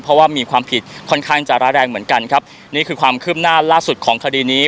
เพราะว่ามีความผิดค่อนข้างจะร้ายแรงเหมือนกันครับนี่คือความคืบหน้าล่าสุดของคดีนี้